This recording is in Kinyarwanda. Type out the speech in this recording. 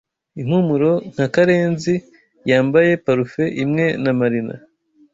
Impumuro nka Karenzi yambaye parufe imwe na Marina.